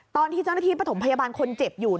ตอนที่เจ้าหน้าที่ประถมพยาบาลคนเจ็บอยู่